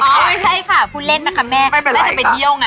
ไม่ใช่ค่ะพูดเล่นนะคะแม่แม่จะไปเที่ยวไง